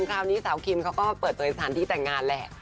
คราวนี้สาวคิมเขาก็เปิดเผยสถานที่แต่งงานแหละ